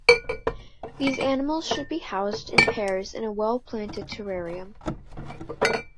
These animals should be housed in pairs in a well planted terrarium.